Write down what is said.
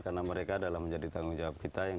karena mereka adalah menjadi tanggung jawab kita yang